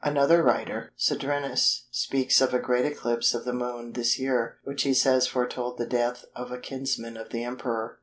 Another writer, Cedrenus, speaks of a great eclipse of the Moon this year which he says foretold the death of a kinsman of the Emperor.